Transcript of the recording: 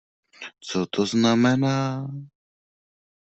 Co to znamená?